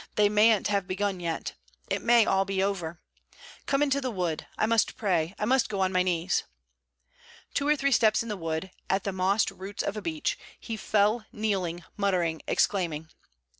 They mayn't have begun yet. It may all be over! Come into the wood. I must pray. I must go on my knees.' Two or three steps in the wood, at the mossed roots of a beech, he fell kneeling, muttering, exclaiming.